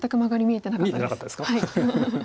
見えてなかったですか？